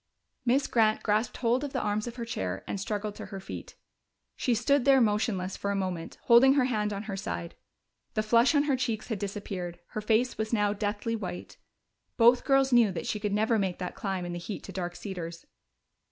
Miss Grant grasped hold of the arms of her chair and struggled to her feet. She stood there motionless for a moment, holding her hand on her side. The flush on her cheeks had disappeared; her face was now deathly white. Both girls knew that she could never make that climb in the heat to Dark Cedars.